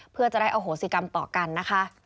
เพื่อจะได้อโหสิกรรมต่อกันนะคะ